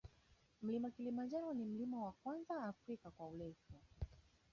Mlima kilimanjaro ni mlima wa kwanza afrika kwa urefu